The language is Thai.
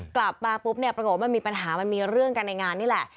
กลับมาปุ๊บเนี่ยปรากฏว่ามันมีปัญหามันมีเรื่องกันในงานนี่แหละ